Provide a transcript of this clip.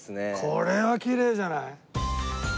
これはきれいじゃない？